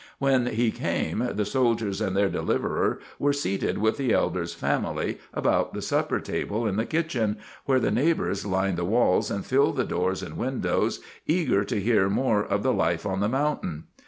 When he came the soldiers and their deliverers were seated with the elder's family about the supper table in the kitchen, where the neighbors lined the walls and filled the doors and windows, eager to hear more of the life on the mountain.